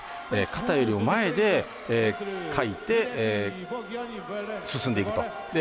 肩よりも前でかいて進んでいくと。